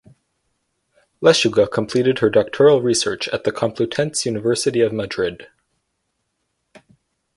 Lechuga completed her doctoral research at the Complutense University of Madrid.